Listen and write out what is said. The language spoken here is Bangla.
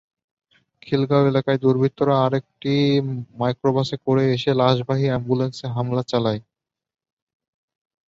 খিলগাঁও এলাকায় দুর্বৃত্তরা আরেকটি মাইক্রোবাসে করে এসে লাশবাহী অ্যাম্বুলেন্সে হামলা চালায়।